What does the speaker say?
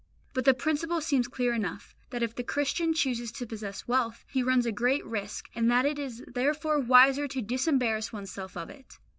But the principle seems clear enough, that if the Christian chooses to possess wealth, he runs a great risk, and that it is therefore wiser to disembarrass oneself of it.